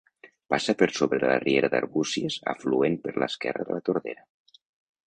Passa per sobre de la riera d'Arbúcies, afluent per l'esquerra de la Tordera.